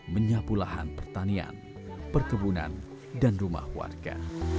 menyapu lahan pertanian perkebunan dan rumah warga